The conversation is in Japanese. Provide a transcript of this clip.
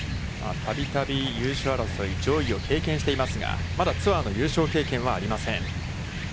たびたび優勝争い、上位を経験していますが、まだツアーの優勝経験はありません。